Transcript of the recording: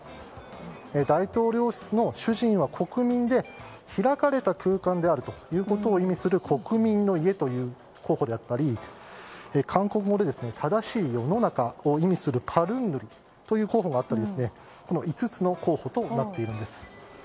大統領室は国民で開かれた家という意味の国民の家という候補であったり韓国語で正しい世の中を意味するパルンヌリという候補もあって５つの候補となっているんです。